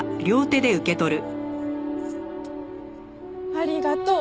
ありがとう。